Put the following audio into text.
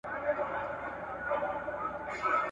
خمیر دي جوړ دی له شواخونه `